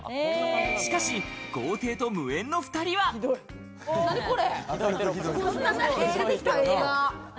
しかし、豪邸と無縁の２人は何これ？